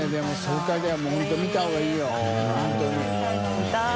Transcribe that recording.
見たい！